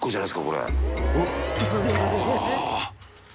これ。